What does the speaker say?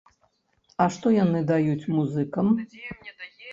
А што яны даюць музыкам?